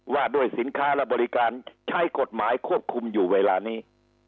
ว่าด้วยสินค้าและบริการใช้กฎหมายควบคุมอยู่เวลานี้